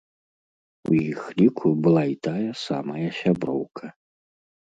У іх ліку была і тая самая сяброўка.